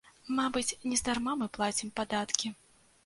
Мабыць, нездарма мы плацім падаткі.